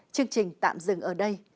chương trình tạm dừng ở đây